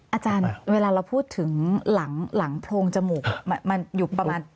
อาจารย์เวลาเราพูดถึงหลังโพรงจมูกมันอยู่ประมาณ